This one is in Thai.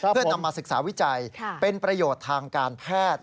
เพื่อนำมาศึกษาวิจัยเป็นประโยชน์ทางการแพทย์